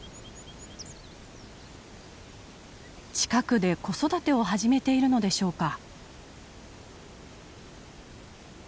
近くで子育てを始めているのでしょうか。